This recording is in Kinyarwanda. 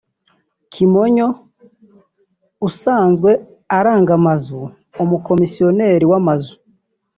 Kimonyo usanzwe aranga amazu (umukomisiyoneri w’amazu)